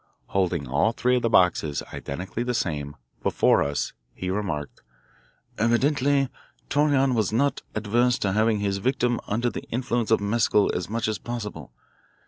Holding all three of the boxes, identically the same, before us he remarked: "Evidently Torreon was not averse to having his victim under the influence of mescal as much as possible.